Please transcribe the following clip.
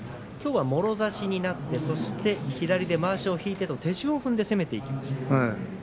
きょうはもろ差しになってそして左でまわしを引いてと手順を踏んで攻めていきました。